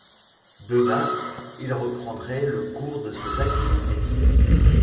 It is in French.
Demain, il reprendrait le cours de ses activités.